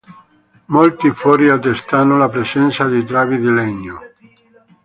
Molti fori attestano la presenza di travi di legno.